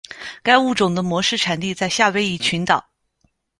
该物种的模式产地在夏威夷群岛。